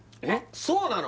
そうなの！？